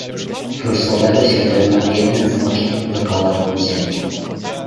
"Prócz słabego światełka w jednem z okien dokoła było ciemno."